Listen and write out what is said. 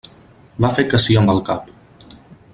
Va fer que sí amb el cap.